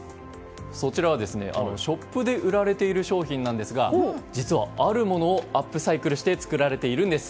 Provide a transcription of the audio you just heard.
そちらはショップで売られている商品なんですが実は、あるものをアップサイクルして作られているんです。